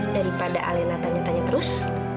daripada alena tanya tanya terus